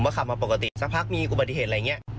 ก็ขับมาปกติสักพักมีอุบัติเหตุอะไรอย่างนี้